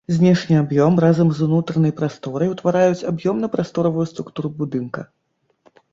Знешні аб'ём разам з унутранай прасторай ўтвараюць аб'ёмна-прасторавую структуру будынка.